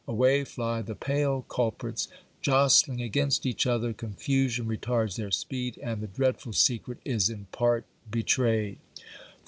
Away fly the pale culprits! Jostling against each other, confusion retards their speed, and the dreadful secret is in part betrayed.